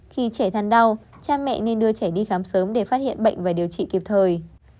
khi trẻ thăn đau cha mẹ nên đưa trẻ đi khám sớm để phát hiện bệnh và điều trị kịp thời